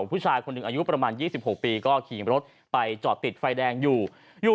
ผู้ชายคนหนึ่งอายุประมาณ๒๖ปีก็ขี่รถไปจอดติดไฟแดงอยู่อยู่